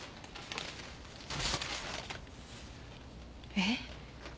えっ？